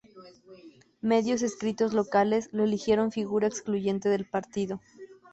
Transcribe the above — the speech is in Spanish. Medios escritos locales lo eligieron figura excluyente del partido.